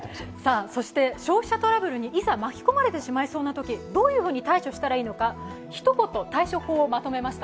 そして消費者トラブルにいざ巻き込まれてしまいそうなとき、どうしたらいいのか、ひと言、対処法をまとめました。